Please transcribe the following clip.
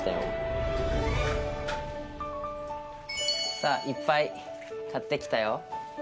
さあいっぱい買ってきたよ。